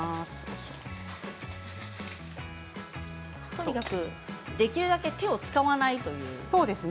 とにかくできるだけ手を使わないという。